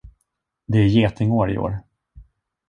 Det är getingår i år.